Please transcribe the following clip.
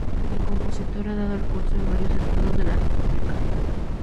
El compositor ha dado el curso en varios estados de la república.